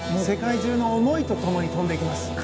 世界中の思いと共に跳んでいきます。